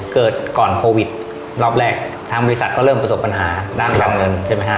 เกิดก่อนโควิดรอบแรกทางบริษัทก็เริ่มประสบปัญหาด้านการเงินใช่ไหมฮะ